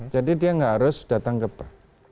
jadi dia nggak harus datang ke bank